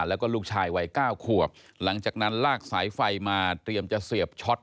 แล้วก็ลูกชายวัยเก้าขวบหลังจากนั้นลากสายไฟมาเตรียมจะเสียบช็อต